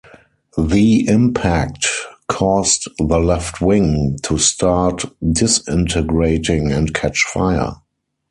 The impact caused the left wing to start disintegrating and catch fire.